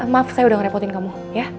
maaf saya udah ngerepotin kamu